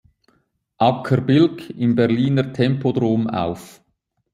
Acker Bilk im Berliner Tempodrom auf.